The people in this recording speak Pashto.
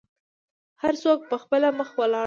هر څوک په خپله مخه ولاړل.